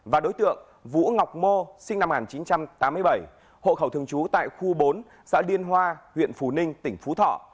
và đối tượng vũ ngọc mô sinh năm một nghìn chín trăm tám mươi bảy hộ khẩu thường trú tại khu bốn xã điên hoa huyện phú ninh tỉnh phú thọ